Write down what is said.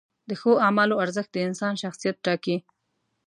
د ښو اعمالو ارزښت د انسان شخصیت ټاکي.